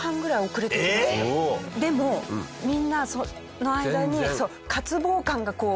でもみんなその間に。